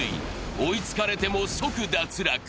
追いつかれても、即脱落。